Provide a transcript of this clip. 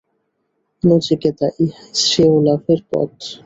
নচিকেতা, ইহাই শ্রেয়োলাভের পথ।